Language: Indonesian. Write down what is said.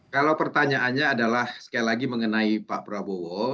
kalau pertanyaannya adalah sekali lagi mengenai pak prabowo